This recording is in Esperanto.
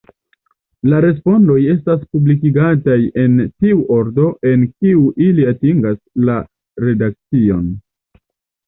La respondoj estas publikigataj en tiu ordo, en kiu ili atingas la redakcion.